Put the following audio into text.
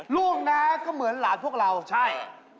ลูกนะก็เหมือนหลานพวกเราใช่